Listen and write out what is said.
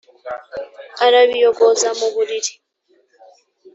Arabiyogoza mu buriri.